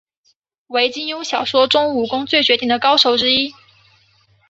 为金庸小说中武功最绝顶的高手之一。